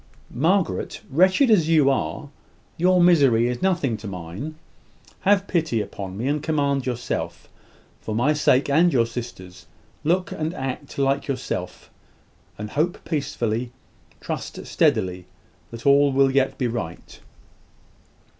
"Margaret, wretched as you are, your misery is nothing to mine. Have pity upon me, and command yourself. For my sake and your sister's, look and act like yourself, and hope peacefully, trust steadily, that all will yet be right."